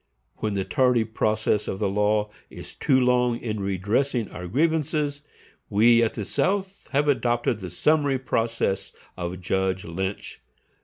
When the tardy process of the law is too long in redressing our grievances, we at the South have adopted the summary process of Judge Lynch."